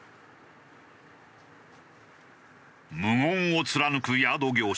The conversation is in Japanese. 無言を貫くヤード業者。